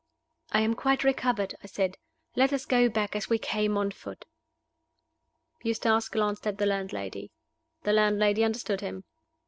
"I am quite recovered," I said. "Let us go back, as we came, on foot." Eustace glanced at the landlady. The landlady understood him.